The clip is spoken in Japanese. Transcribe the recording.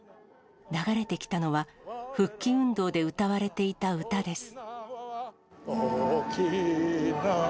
流れてきたのは、復帰運動で歌われていた歌です。